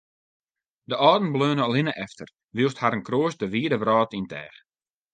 De âlden bleaune allinne efter, wylst harren kroast de wide wrâld yn teach.